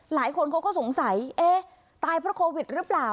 หลายคนเขาก็สงสัยเอ๊ะตายเพราะโควิดหรือเปล่า